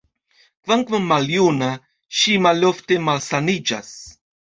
Kvankam maljuna, ŝi malofte malsaniĝas.